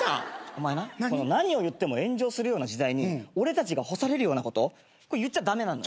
お前な何を言っても炎上するような時代に俺たちが干されるようなこと言っちゃ駄目なの。